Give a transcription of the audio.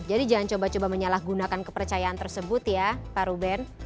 jadi jangan coba coba menyalahgunakan kepercayaan tersebut ya pak ruben